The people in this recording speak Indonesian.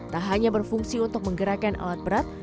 tak hanya berfungsi untuk menggerakkan alat berat